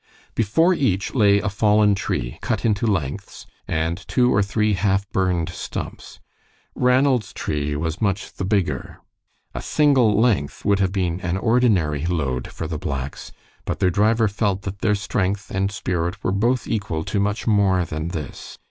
Before each lay a fallen tree cut into lengths and two or three half burned stumps. Ranald's tree was much the bigger. A single length would have been an ordinary load for the blacks, but their driver felt that their strength and spirit were both equal to much more than this.